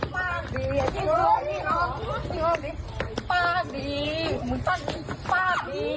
ป้าดีป้าดีป้าดี